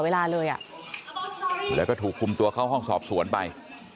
เวลาเลยอ่ะแล้วก็ถูกคุมตัวเข้าห้องสอบสวนไป